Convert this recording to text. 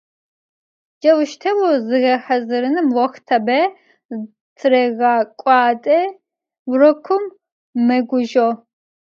Cauşteu ziğehazırınım voxhtabe tırêğek'uade, vurokım meguzjo.